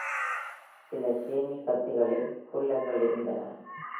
சில "ஷேமி கத்திகளில்" ஃபுல்லர்கள் இருந்தன.